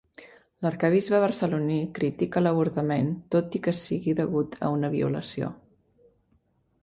L'arquebisbe barceloní critica l'avortament tot i que sigui degut a una violació.